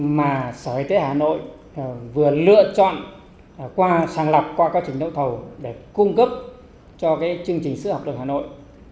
mà sở y tế hà nội vừa lựa chọn sáng lập qua các trình đấu thầu để cung cấp cho chương trình sữa học đường hà nội